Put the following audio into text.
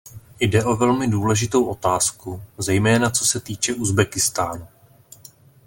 Jde o velmi důležitou otázku, zejména co se týče Uzbekistánu.